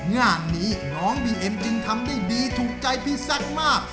งานนี้น้องบีเอ็มจึงทำได้ดีถูกใจพี่แซคมาก